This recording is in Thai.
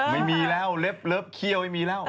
ไม่มีแล้วเล็บเขี้ยวไม่มีแล้ว